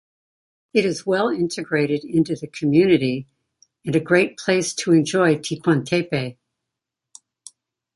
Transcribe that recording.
It is well integrated into the community and a great place to enjoy Ticuantepe.